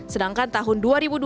sedangkan tahun dua ribu dua puluh